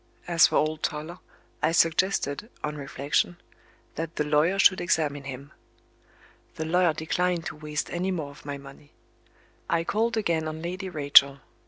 As for old Toller, I suggested (on reflection) that the lawyer should examine him. The lawyer declined to waste any more of my money. I called again on Lady Rachel.